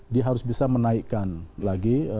dia harus bisa menaikkan lagi